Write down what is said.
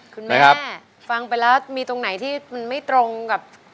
คุณแม่ฟังไปแล้วมีตรงไหนที่มันไม่ตรงกับ